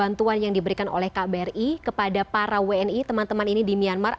bantuan yang diberikan oleh kbri kepada para wni teman teman ini di myanmar